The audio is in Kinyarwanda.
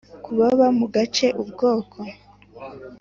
ku baba mu gace Ubwoko